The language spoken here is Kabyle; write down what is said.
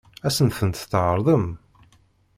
Ad sen-tent-tɛeṛḍem?